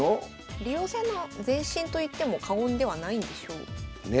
竜王戦の前身といっても過言ではないんでしょう。ね。